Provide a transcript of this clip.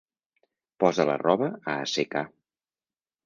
Posa la roba a assecar.